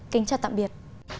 kính chào tạm biệt